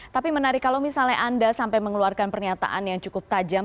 tapi menarik kalau misalnya anda sampai mengeluarkan pernyataan yang cukup tajam